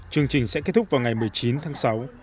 chương trình sẽ kết thúc vào ngày một mươi chín tháng sáu